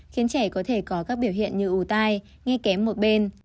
khiến trẻ có thể có các biểu hiện như ủ tai nghe kém một bên